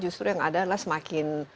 justru yang ada adalah semakin